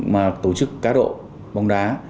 mà tổ chức cá độ bóng đá